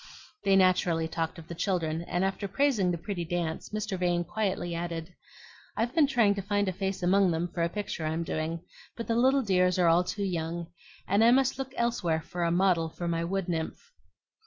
They naturally talked of the children, and after praising the pretty dance Mr. Vane quietly added, "I've been trying to find a face among them for a picture I'm doing; but the little dears are all too young, and I must look elsewhere for a model for my wood nymph."